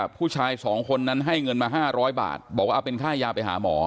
ผู้ชาย๒คนนั้นให้เงินมา๕๐๐บาทบอกว่าเอาเป็นค่ายาไปหาหมอ